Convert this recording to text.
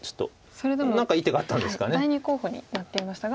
それでも第２候補になっていましたが。